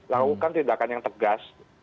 lakukan tindakan yang tegas